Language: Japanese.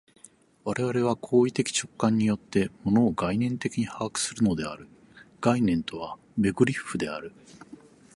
我々は行為的直観によって、物を概念的に把握するのである（概念とはベグリッフである）。